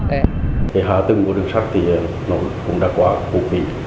thì hạ tầng của đường sắt thì nó cũng đã có cục kỳ